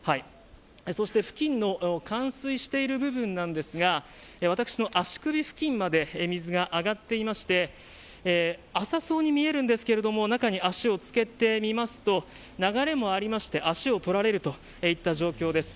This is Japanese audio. そして付近の冠水している部分なんですが私の足首付近まで水が上がっていまして浅そうに見えるんですが中に足をつけてみますと流れもありまして足を取られるといった状況です。